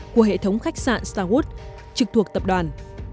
của hệ thống khách sạn starwood trực thuộc tập đoàn